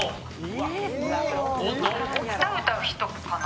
歌を歌う人かな？